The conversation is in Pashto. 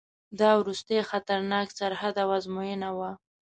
دا وروستی خطرناک سرحد او آزموینه وه.